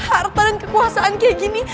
harta dan kekuasaan kayak gini